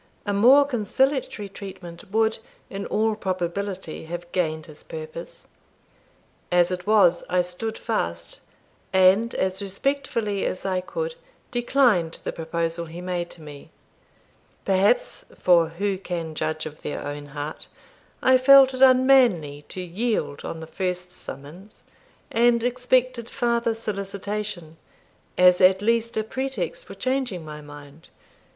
A more conciliatory treatment would, in all probability, have gained his purpose. As it was, I stood fast, and, as respectfully as I could, declined the proposal he made to me. Perhaps for who can judge of their own heart? I felt it unmanly to yield on the first summons, and expected farther solicitation, as at least a pretext for changing my mind.